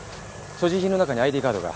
所持品の中にＩＤカードが。